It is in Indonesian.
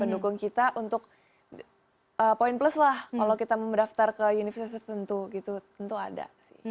mendukung kita untuk poin plus lah kalau kita mendaftar ke universitas tertentu gitu tentu ada sih